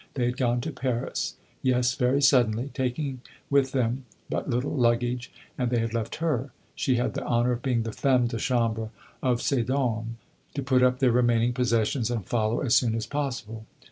They had gone to Paris yes, very suddenly, taking with them but little luggage, and they had left her she had the honor of being the femme de chambre of ces dames to put up their remaining possessions and follow as soon as possible.